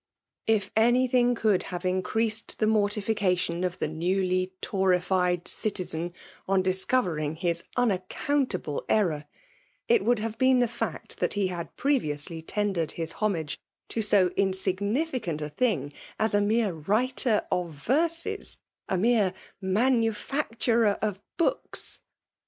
If anything could have increased the morti* Acatien of the newly Toxyfied citizen on disco vering fasB unaccountable error> it would have keen the fact that he had previously tendered his homage to ao insignificant a thing as a meie writer ofveraeo a mere manufacturer of books.